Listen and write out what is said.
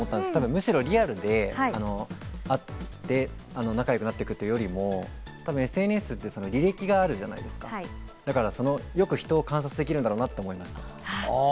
むしろリアルで会って仲良くなっていくよりも、ＳＮＳって履歴があるじゃないですか、よく人を観察できるんだろうなと思いました。